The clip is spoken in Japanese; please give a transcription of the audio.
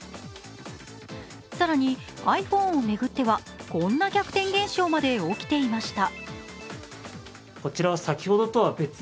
更にｉＰｈｏｎｅを巡ってはこんな逆転現象が起きていました。